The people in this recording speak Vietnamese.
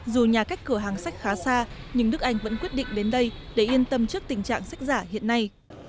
dù nhà cách cửa hàng sách khá xa nhưng đức anh vẫn quyết định đến đây để yên tâm trước tình trạng sách giả hiện nay